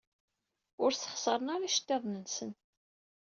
Ur sxeṣren ara iceḍḍiḍen-nsen.